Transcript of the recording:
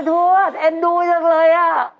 เฮ่ยทุกคนเอ็นดูจังเลย